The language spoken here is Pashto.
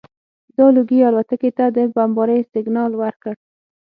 دا لوګي الوتکو ته د بمبارۍ سګنال ورکړ